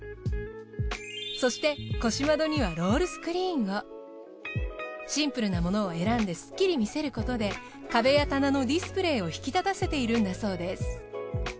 そして腰窓にはシンプルなものを選んでスッキリ見せることで壁や棚のディスプレーを引き立たせているんだそうです。